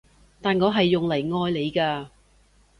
但我係用嚟愛你嘅